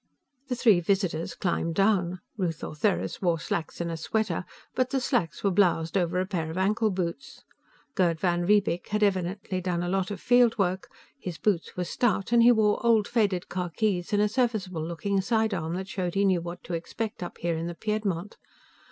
The three visitors climbed down. Ruth Ortheris wore slacks and a sweater, but the slacks were bloused over a pair of ankle boots. Gerd van Riebeek had evidently done a lot of field work: his boots were stout, and he wore old, faded khakis and a serviceable looking sidearm that showed he knew what to expect up here in the Piedmont.